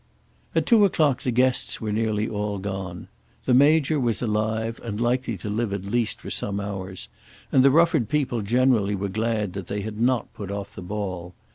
At two o'clock the guests were nearly all gone. The Major was alive, and likely to live at least for some hours, and the Rufford people generally were glad that they had not put off the ball.